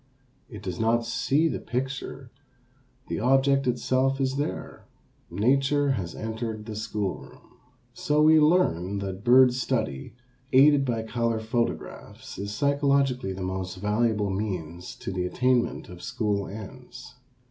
It does not see the picture, the object itself is there, nature has entered the school room. So we learn that bird study, aided by color photographs, is psychologically the most valuable means to the attainment of school ends.